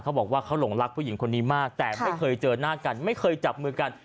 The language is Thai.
เขาบอกว่าเขาหลงรักผู้หญิงคนนี้มากแต่ไม่เคยเจอหน้ากันไม่เคยจับมือกัน